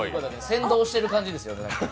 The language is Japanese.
先導してる感じですよね。